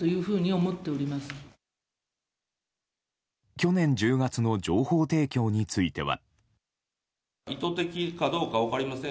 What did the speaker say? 去年１０月の情報提供については。